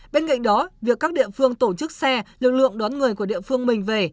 bên cạnh đó việc các địa phương tổ chức xe lực lượng đón người của địa phương mình về